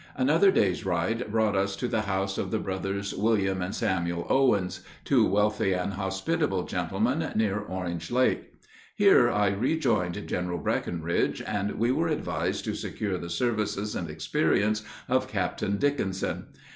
Another day's ride brought us to the house of the brothers William and Samuel Owens, two wealthy and hospitable gentlemen, near Orange Lake. Here I rejoined General Breckinridge, and we were advised to secure the services and experience of Captain Dickinson.